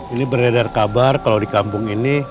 ini beredar kabar kalau di kampung ini